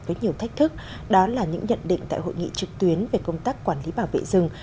với nhiều thách thức đó là những nhận định tại hội nghị trực tuyến về công tác quản lý bảo vệ rừng